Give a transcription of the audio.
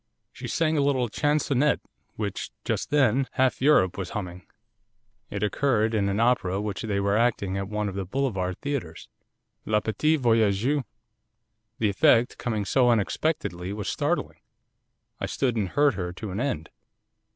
She sang a little chansonnette, which, just then, half Europe was humming, it occurred in an opera which they were acting at one of the Boulevard theatres, "La P'tite Voyageuse." The effect, coming so unexpectedly, was startling. I stood and heard her to an end.